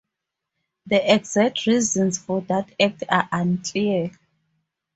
The exact reasons for that act are unclear.